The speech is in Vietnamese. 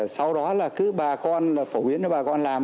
sau đó là cứ bà con phổ biến cho bà con làm